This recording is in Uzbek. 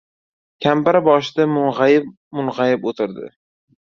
Kampiri boshida mung‘ayib-mung‘ayib o‘tirdi.